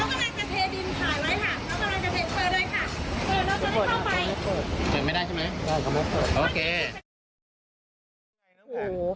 น่าจะมอเตอร์